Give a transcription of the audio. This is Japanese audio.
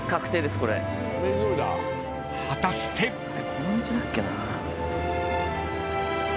この道だっけな？